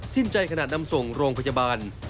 สิ้นใจขนาดนำส่งโรงพยาบาล